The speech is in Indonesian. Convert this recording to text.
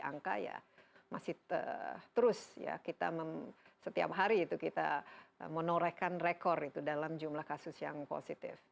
angka masih terus setiap hari menorehkan rekor dalam jumlah kasus yang positif